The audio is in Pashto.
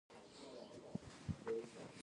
ان لکه په نوکران، پاچاهان او نور کې.